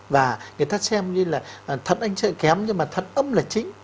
và người ta xem như là thận anh kém nhưng mà thận âm là chính